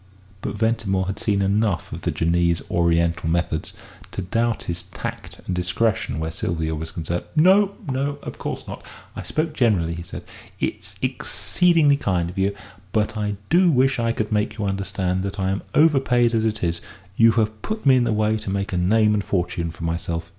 But Ventimore had seen enough of the Jinnee's Oriental methods to doubt his tact and discretion where Sylvia was concerned. "No, no; of course not. I spoke generally," he said. "It's exceedingly kind of you but I do wish I could make you understand that I am overpaid as it is. You have put me in the way to make a name and fortune for myself.